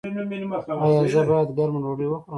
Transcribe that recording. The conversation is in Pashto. ایا زه باید ګرمه ډوډۍ وخورم؟